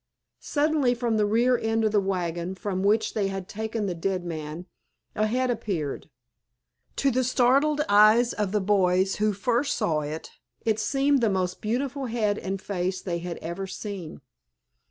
Suddenly from the rear end of the wagon from which they had taken the dead man a head appeared. To the startled eyes of the boys who first saw it it seemed the most beautiful head and face they had ever seen.